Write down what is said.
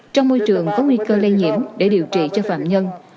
trong môi trường có nguy cơ lây nhiễm để điều trị cho phạm nhân